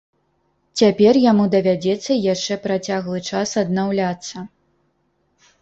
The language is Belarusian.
Цяпер яму давядзецца яшчэ працяглы час аднаўляцца.